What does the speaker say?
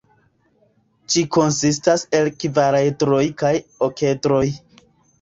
Ĝi konsistas el kvaredroj kaj okedroj.